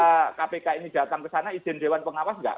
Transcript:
ketika kpk ini datang ke sana izin dewan pengawas nggak